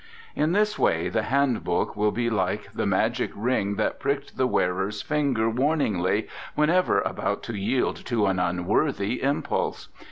_ _In this way the Hand Book will be like the magic ring that pricked the wearer's finger warningly whenever about to yield to an unworthy impulse.